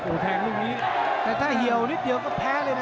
โอ้โหแทงลูกนี้แต่ถ้าเหี่ยวนิดเดียวก็แพ้เลยนะ